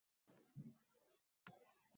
Yurak qoni bilan yozgan odam uzun yozolmaydi.